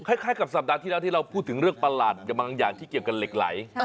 คล้ายกับสัปดาห์ที่แล้วที่เราพูดถึงเรื่องประหลาดบางอย่างที่เกี่ยวกับเหล็กไหล